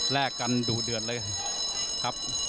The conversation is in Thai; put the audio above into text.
แลกกันดูเดือดเลยครับ